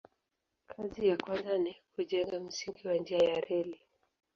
Kazi ya kwanza ni kujenga msingi wa njia ya reli.